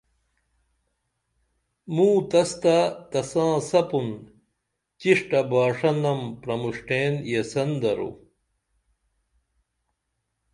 موں تس تہ تساں سپُن چِݜٹہ باݜنم پرمُݜٹئین یسین درو